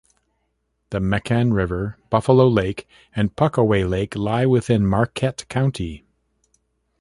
The Mecan River, Buffalo Lake, and Puckaway Lake lie within Marquette County.